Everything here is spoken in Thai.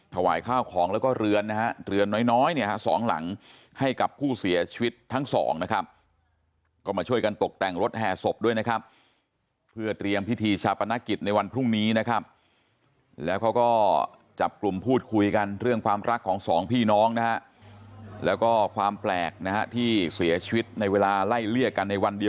ข้าวของแล้วก็เรือนนะฮะเรือนน้อยเนี่ยฮะสองหลังให้กับผู้เสียชีวิตทั้งสองนะครับก็มาช่วยกันตกแต่งรถแห่ศพด้วยนะครับเพื่อเตรียมพิธีชาปนกิจในวันพรุ่งนี้นะครับแล้วเขาก็จับกลุ่มพูดคุยกันเรื่องความรักของสองพี่น้องนะฮะแล้วก็ความแปลกนะฮะที่เสียชีวิตในเวลาไล่เลี่ยกันในวันดี